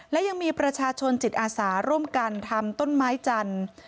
และยังมีประชาชนจิตอาสาร่วมกันทำต้นไม้จันทร์